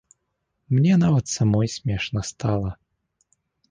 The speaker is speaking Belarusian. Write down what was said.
Мне нават самой смешна стала.